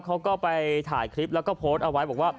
เขาก็ไปถ่ายคลิปแล้วก็โพสต์เอาไว้บอกว่า